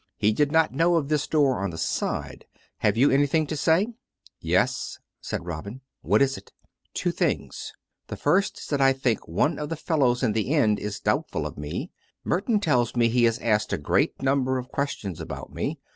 He did not know of this door on the side. ... Have you anything to say ?"" Yes," said Robin. "What is it.;*" " Two things. The first is that I think one of the fellows in the inn is doubtful of me. Merton tells me he has asked a great number of questions about me.